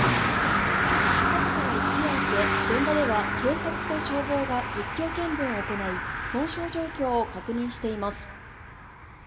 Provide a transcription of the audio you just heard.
火事から一夜明け現場では警察と消防が実況見分を行い損傷状況を確認しています。